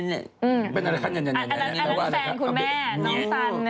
อันนั้นแฟนคุณแม่น้องสัน